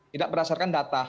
tidak berdasarkan data